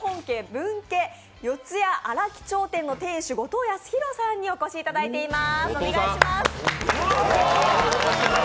分家四谷荒木町店の店主、後藤康浩さんにお越しいただいています。